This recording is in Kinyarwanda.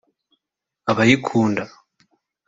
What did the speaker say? Abayikunda